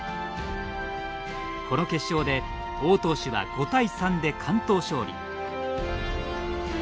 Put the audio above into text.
この決勝で王投手は５対３で完投勝利。